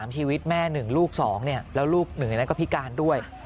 ๓ชีวิตแม่๑ลูก๒แล้วลูก๑ก็พิการด้วย